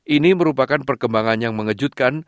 ini merupakan perkembangan yang mengejutkan